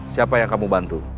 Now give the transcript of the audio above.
siapa yang kamu bantu